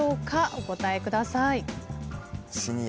お答えください。